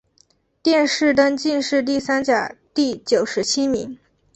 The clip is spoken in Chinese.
殿试登进士第三甲第九十七名。